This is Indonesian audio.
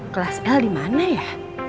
kelas l dimana ya